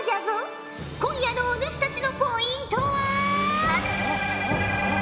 今夜のお主たちのポイントは。